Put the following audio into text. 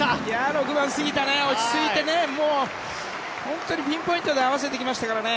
６番、杉田落ち着いて本当にピンポイントで合わせてきましたからね。